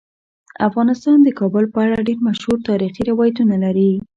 افغانستان د کابل په اړه ډیر مشهور تاریخی روایتونه لري.